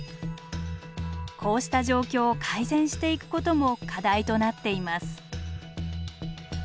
こうした状況を改善していくことも課題となっています。